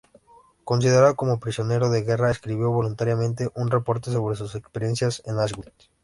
Considerado como Prisionero de Guerra, escribió voluntariamente un reporte sobre sus experiencias en Auschwitz.